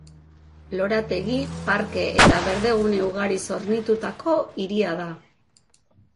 Lorategi, parke eta berdegune ugariz hornitutako hiria da.